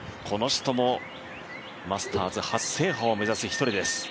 この人もマスターズ初制覇を目指す一人です。